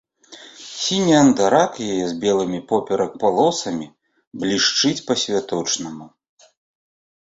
Сіні андарак яе з белымі поперак палосамі блішчыць па-святочнаму.